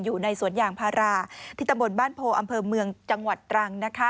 อยู่ในสวนยางพาราที่ตำบลบ้านโพอำเภอเมืองจังหวัดตรัง